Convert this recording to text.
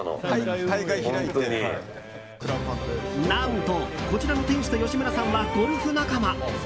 何とこちらの店主と吉村さんはゴルフ仲間。